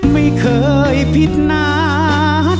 ไม่เคยผิดณา